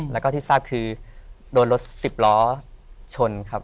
แล้วก็ที่ทราบคือโดนรถสิบล้อชนครับ